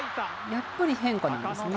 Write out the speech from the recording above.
やっぱり変化なんですね。